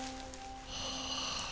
はあ。